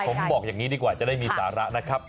ผมบอกอย่างนี้ดีกว่าจะได้มีสาระนะครับ